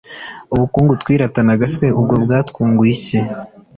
ubukungu twiratanaga se bwo bwatwunguye iki